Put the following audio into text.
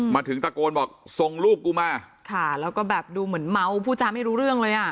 มาถึงตะโกนบอกส่งลูกกูมาค่ะแล้วก็แบบดูเหมือนเมาพูดจาไม่รู้เรื่องเลยอ่ะ